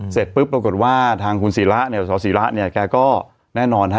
เสร็จปุ๊บปรากฏว่าทางคุณศิระเนี่ยสศิระเนี่ยแกก็แน่นอนฮะ